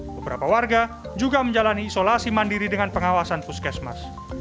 beberapa warga juga menjalani isolasi mandiri dengan pengawasan puskesmas